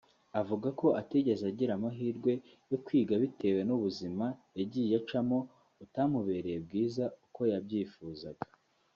Avuga ko atigeze agira amahirwe yo kwiga bitewe n’ubuzima yagiye acamo butamubereye bwiza uko yabyifuzaga